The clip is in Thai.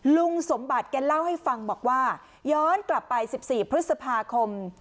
ลุงสมบัติแกเล่าให้ฟังบอกว่าย้อนกลับไป๑๔พฤษภาคม